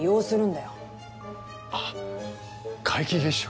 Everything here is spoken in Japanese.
ああ皆既月食。